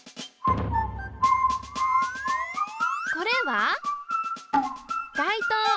これは外灯。